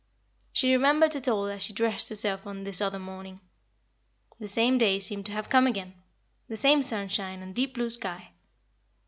She remembered it all as she dressed herself on this other morning. The same day seemed to have come again; the same sunshine and deep blue sky.